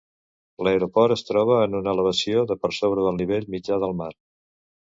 L'aeroport es troba en una elevació de per sobre del nivell mitjà del mar.